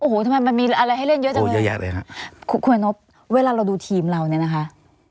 โอ้โหทำไมมันมีอะไรให้เล่นเยอะจังเลยเยอะแยะเลยฮะคุณอนพเวลาเราดูทีมเราเนี่ยนะคะ